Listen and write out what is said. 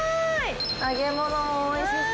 揚げ物おいしそ。